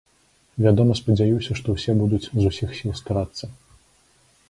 Вядома, спадзяюся, што ўсе будуць з усіх сіл старацца.